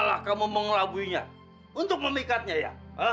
salah kamu mengelabuinya untuk memikatnya ya